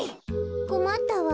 こまったわ。